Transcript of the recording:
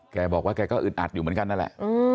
แกบอกว่าแกก็อึดอัดอยู่เหมือนกันนั่นแหละ